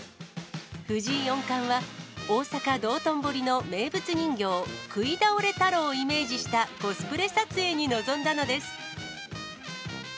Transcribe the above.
藤井四冠は、大阪・道頓堀の名物人形、くいだおれ太郎をイメージしたコスプレ撮影に臨んだのです。